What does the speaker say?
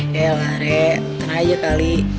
yelah rek ntar aja kali